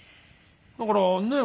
だからねえ